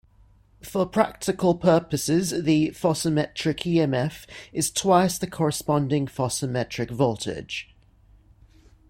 For practical purposes, the psophometric emf is twice the corresponding psophometric voltage.